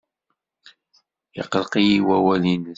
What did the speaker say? Iqelleq-iyi wawal-nnes.